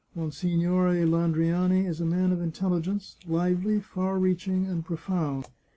Monsignore Landriani is a man of intelligence, lively, far reaching, and profound.